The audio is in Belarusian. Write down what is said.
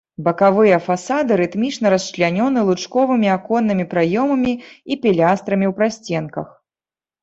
Бакавыя фасады рытмічна расчлянёны лучковымі аконнымі праёмамі і пілястрамі ў прасценках.